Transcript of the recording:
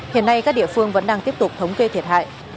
hiện nay các địa phương vẫn đang tiếp tục thống kê thiệt hại